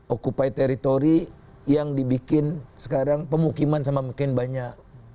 terdapat teritori yang dibikin sekarang pemukiman sama makin banyak